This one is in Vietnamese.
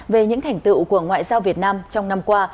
về những thành tựu của ngoại giao việt nam trong năm qua